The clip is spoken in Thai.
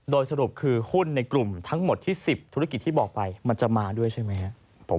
โดยสรุปคือหุ้นในกลุ่มทั้งหมดที่๑๐ธุรกิจที่บอกไปมันจะมาด้วยใช่ไหมครับ